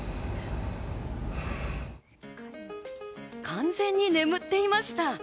完全に眠っていました。